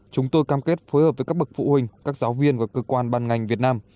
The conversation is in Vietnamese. chúng tôi cam kết phối hợp với các bậc phụ huynh các giáo viên và cơ quan ban ngành việt nam